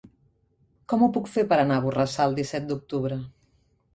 Com ho puc fer per anar a Borrassà el disset d'octubre?